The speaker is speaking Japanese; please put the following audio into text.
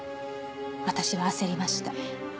「私は焦りました」